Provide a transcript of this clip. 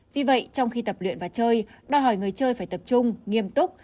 vì vậy trong khi tập luyện và chơi đòi hỏi người chơi phải tập trung nghiêm túc